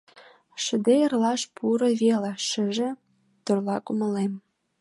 Шыде эрлаш пуро веле — шыже тӧрла кумылем.